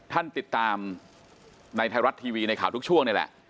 ท่านติดตามในไทยรัฐทีวีในข่าวทุกช่วงนี่แหละ